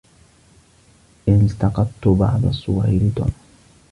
التقطتُ بعض الصور لتوم.